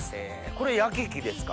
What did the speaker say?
これ焼き機ですか？